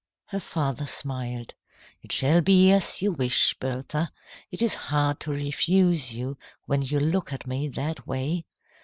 Her father smiled. "It shall be as you wish, Bertha. It is hard to refuse you when you look at me that way.